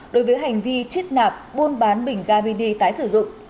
đối với hành vi chít nạp buôn bán bình ga mini tái sử dụng